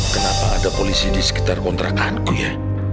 kenapa ada polisi di sekitar kontrakanku ya